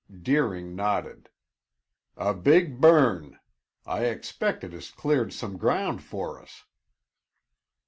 Deering nodded. "A big burn! I expect it has cleared some ground for us."